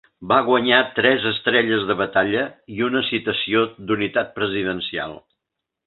Va guanyar tres estrelles de batalla i una Citació d'Unitat Presidencial.